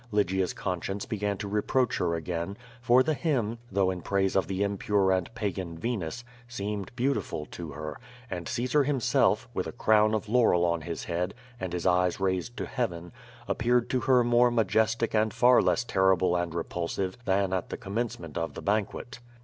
Lygia's conscience began to reproach her again; for the hymn, though in praise of the impure and pagan Venus, seemed beautiful to her, and Caesar himself, with a crown of laurel on his head and his eyes raised to heaven, appeared to her more majestic and far less terrible and re pulsive than at the commencement of the banquet.